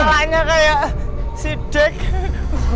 kalanya kayak si jack